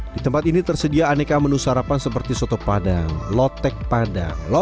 di tempat ini tersedia aneka menu sarapan seperti soto padang lotek padang